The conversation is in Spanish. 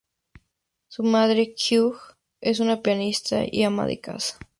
Su madre, Kyung, es una pianista y ama de casa.